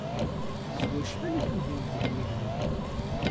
S wacḥal i tugareḍ gma-k di lqedd?